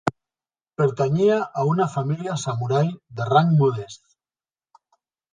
Pertanyia a una família samurai de rang modest.